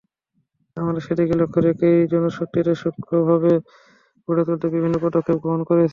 আমরা সেদিকে লক্ষ্য রেখে জনশক্তিকে সুদক্ষভাবে গড়ে তুলতে বিভিন্ন পদক্ষেপ গ্রহণ করেছি।